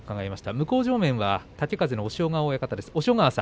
向正面は豪風の押尾川親方です。